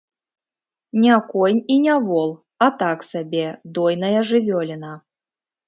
Не конь і не вол, а так сабе, дойная жывёліна.